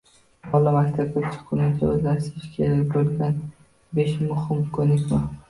Bola maktabga chiqqunicha o‘zlashtirishi kerak bo‘lganbeshmuhim ko‘nikma